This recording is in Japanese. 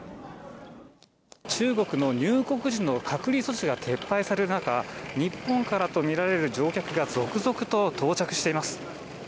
中国の入国時の隔離措置が撤廃される中、日本からとみられる乗客が続々と到着しています。